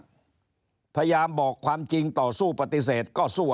โรงพยาบาลบอกความจริงต่อสู้ปฏิเสธ